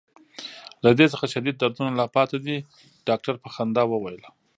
له دې څخه شدید دردونه لا پاتې دي. ډاکټر په خندا وویل.